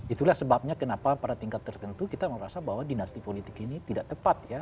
itulah sebabnya kenapa pada tingkat tertentu kita merasa bahwa dinasti politik ini tidak tepat ya